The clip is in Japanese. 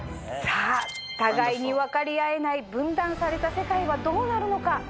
さぁ互いに分かり合えない分断された世界はどうなるのか。